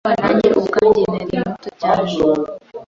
Cyangwa nanjye ubwanjye - nari muto cyane?